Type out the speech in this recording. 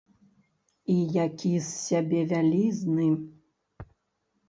І які з сябе вялізны!